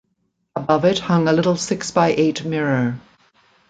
Above it hung a little six-by-eight mirror.